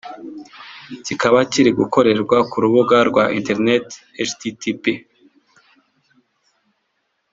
(kikaba kiri gukorerwa ku rubuga rwa interineti http